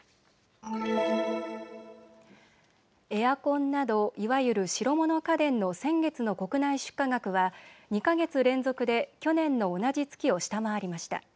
エアコンなどいわゆる白物家電の先月の国内出荷額は２か月連続で去年の同じ月を下回りました。